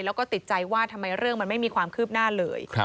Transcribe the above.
แล้วก็ติดใจว่าทำไมเรื่องมันไม่มีความคืบหน้าเลย